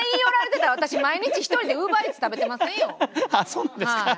そうなんですか。